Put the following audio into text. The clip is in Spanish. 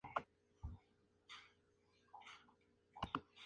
Por ello la visita a Washington duró sólo un día.